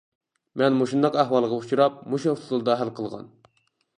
مەن مۇشۇنداق ئەھۋالغا ئۇچراپ مۇشۇ ئۇسۇلدا ھەل قىلغان.